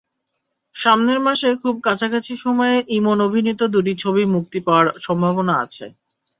সামনের মাসে খুব কাছাকাছি সময়ে ইমন অভিনীত দুটি ছবি মুক্তি পাওয়ার সম্ভাবনা আছে।